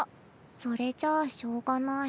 それじゃあしょうがない。